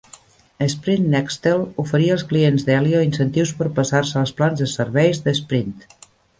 Sprint Nextel oferia als clients d'Helio incentius per passar-se als plans de serveis de Sprint.